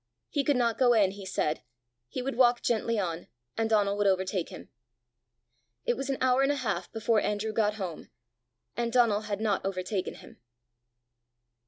He could not go in, he said; he would walk gently on, and Donal would overtake him. It was an hour and a half before Andrew got home, and Donal had not overtaken him.